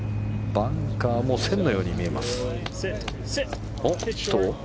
バンカーも線のように見えます。